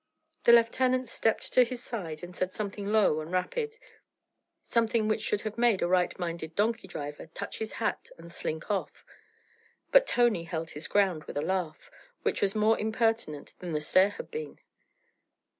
The lieutenant stepped to his side and said something low and rapid, something which should have made a right minded donkey driver touch his hat and slink off. But Tony held his ground with a laugh which was more impertinent than the stare had been.